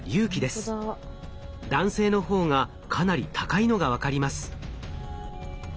男性のほうがかなり高いのが分かります。